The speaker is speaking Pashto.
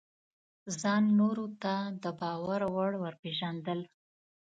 ځان نورو ته د باور وړ ورپېژندل: